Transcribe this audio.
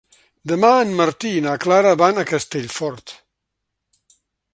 Demà en Martí i na Clara van a Castellfort.